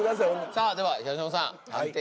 さあでは東野さん判定